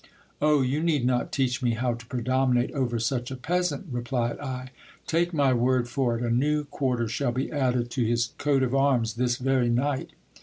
Oh ! you need not teach me how to predominate over such a peasant, replied I. Take my word for it, a new quarter shall be added to his coat of arms this very night.